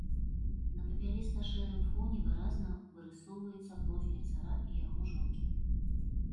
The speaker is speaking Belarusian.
На папяліста-шэрым фоне выразна вырысоўваецца профілі цара і яго жонкі.